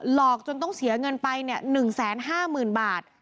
อกจนต้องเสียเงินไป๑๕๐๐๐บาท